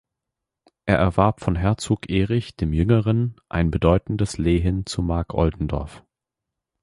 Er erwarb von Herzog Erich dem Jüngeren ein bedeutendes Lehen zu Markoldendorf.